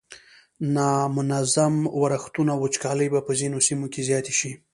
نامنظم ورښتونه او وچکالۍ به په ځینو سیمو کې زیاتې شي.